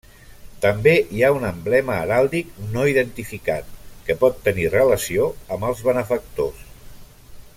També hi ha un emblema heràldic, no identificat, que pot tenir relació amb els benefactors.